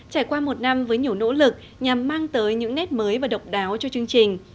trải qua một năm với nhiều nỗ lực nhằm mang tới những nét mới và độc đáo cho chương trình